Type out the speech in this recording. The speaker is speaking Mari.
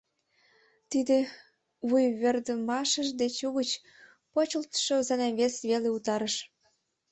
Тиде вуйвӧрдмашыж деч угыч почылтшо занавес веле утарыш.